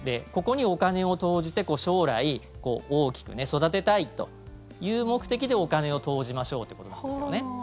ここにお金を投じて将来大きく育てたいという目的でお金を投じましょうってことなんですよね。